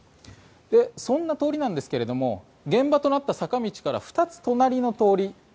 そんな通りなんですが現場となった坂道から２つ隣の通り